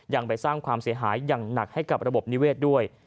ยังไปสร้างความเสียหายอย่างหนักให้กับระบบนิเวศด้วย